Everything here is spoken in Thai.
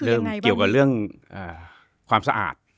เกี่ยวกับเรื่องความสะอาด